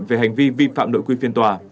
về hành vi vi phạm đội quy phiên tòa